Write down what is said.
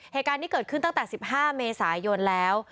เหตุการณ์นี้เกิดขึ้นตั้งแต่๑๕เมษายนแล้ว